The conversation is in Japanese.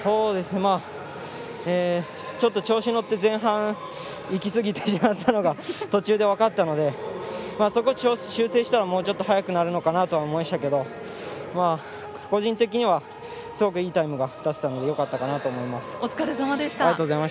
ちょっと調子に乗って前半いきすぎてしまったのが途中で分かったのでそこを修正したらもうちょっと速くなるのかなとは思いましたけど個人的にはすごくいいタイムが出せたのでお疲れさまでした。